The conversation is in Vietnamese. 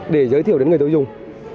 để giới thiệu đến người tiêu dùng